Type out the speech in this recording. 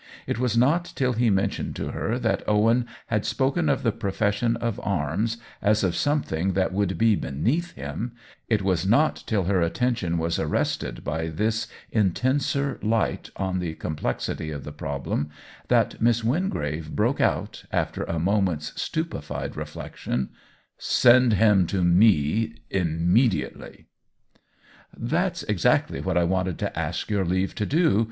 It was not till he mentioned to her that Owen had spoken of the profession of arms as of something that would be "beneath" him, it was not till her attention was arrested by this intenser light on the complexity of the l68 OWEN WINGRAVE problem, that Miss Wingrave broke out, after a moment's stupefied reflection :" Send him to see me immediately !" "That's exactly what I wanted to ask your leave to do.